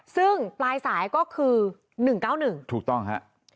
ซึ่งปลายสายก็คือ๑๙๑ถูกต้องฮะ